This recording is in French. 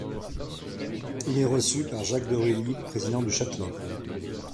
Il est reçu par Jacques de Ruilly, président du Châtelet.